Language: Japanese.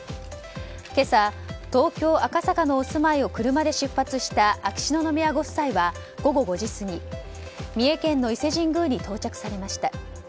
今朝、東京・赤坂のお住まいを車で出発した秋篠宮ご夫妻は、午後５時過ぎ三重県の伊勢神宮に到着されました。